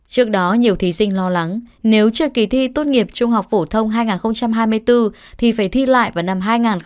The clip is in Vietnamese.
trước đó nhiều thí sinh lo lắng nếu chưa kỳ thi tốt nghiệp trung học phổ thông hai nghìn hai mươi bốn thì phải thi lại vào năm hai nghìn hai mươi